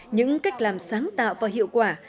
những cách làm sáng tạo và hiệu quả